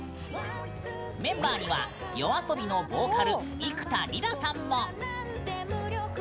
メンバーにはＹＯＡＳＯＢＩのボーカル幾田りらさんも！